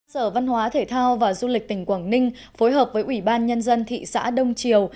sở văn hóa thể thao và du lịch tỉnh quảng ninh phối hợp với ủy ban nhân dân thị xã đông triều